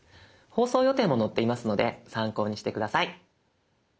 放送予定も載っていますので参考にして下さい。